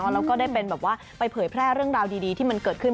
แล้วก็ได้เป็นแบบว่าไปเผยแพร่เรื่องราวดีที่มันเกิดขึ้น